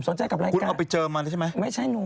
นุงอย่าไปสนใจนะ๐๓๐